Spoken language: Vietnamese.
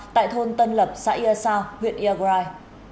tại thôn tân lập xã yersa huyện egorai